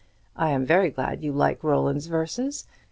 I am very glad you like Roland's verses.